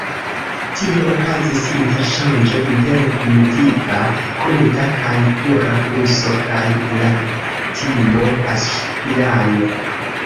Tie okazis interŝanĝo inter primitiva, kruda kaj pura bluso kaj ragtimo-paŝpiano.